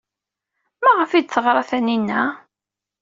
Maɣef ay d-teɣra Taninna?